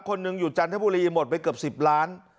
คนหนึ่งอยู่จันทบุรีหมดไปเกือบ๑๐ล้าน